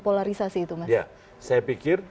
polarisasi itu mas saya pikir